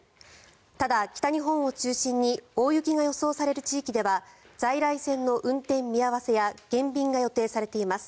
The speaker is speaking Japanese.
ただ、北日本を中心に大雪が予想される地域では在来線の運転見合わせや減便が予定されています。